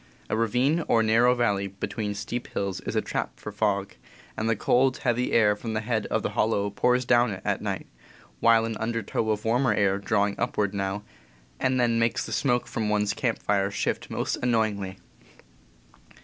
A ravine or narrow valley between steep hills is a trap for fog, and the cold, heavy air from the head of the hollow pours down it at night, while an undertow of warmer air drawing upward now and then makes the smoke from one's camp fire shift most annoyingly.